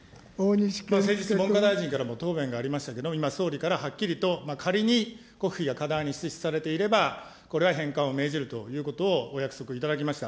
先日文科大臣からも答弁がありましたけれども、今総理からはっきりと、仮に国費が過大に支出されていれば、これは返還を命じるということをお約束いただきました。